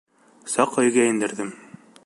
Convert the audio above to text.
Саҡ өйгә индерҙем.